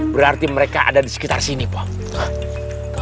berarti mereka ada di sekitar sini pak